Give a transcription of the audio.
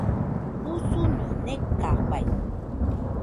Usuño nekafaɨ